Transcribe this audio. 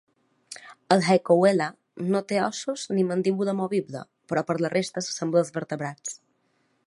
El "Haikouella" no té ossos ni mandíbula movible, però per la resta s'assembla als vertebrats.